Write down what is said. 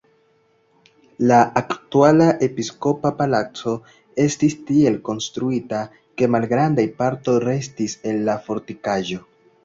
La aktuala episkopa palaco estis tiel konstruita, ke malgrandaj partoj restis el la fortikaĵo.